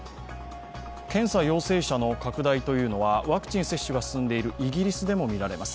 検査陽性者の拡大というのはワクチン接種が進んでいるイギリスでも見られます。